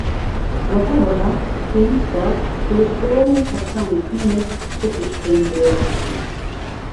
وه هەروەها پێویسته کۆلسترۆڵ و پەستانی خوێنت بپشکێندرێت